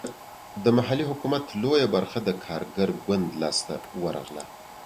د محلي حکومت لویه برخه د کارګر ګوند لاسته ورغله.